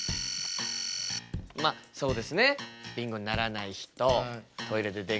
まっそうですね。